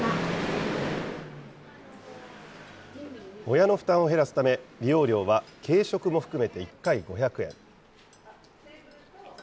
親の負担を減らすため、利用料は軽食も含めて１回５００円。